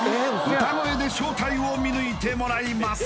歌声で正体を見抜いてもらいます